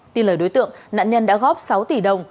tin lời đối tượng nạn nhân đã góp sáu tỷ đồng